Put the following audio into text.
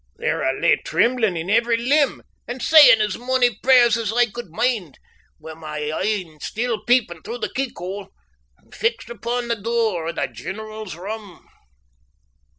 There I lay tremblin' in every limb, and sayin' as mony prayers as I could mind, wi' my e'e still peepin' through the keek hole, and fixed upon the door o' the general's room.